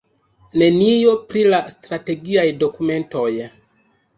Nenio pri la strategiaj dokumentoj.